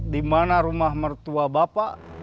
dimana rumah mertua bapak